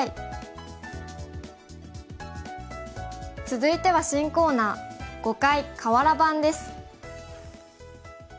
続いては新コーナー「碁界かわら盤」です。